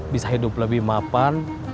bisa hidup lebih mapan